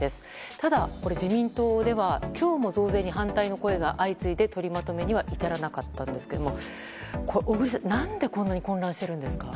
ただ、自民党では今日も増税に反対の声が相次いで、とりまとめには至らなかったんですが小栗さん、何でこんなに混乱しているんですか。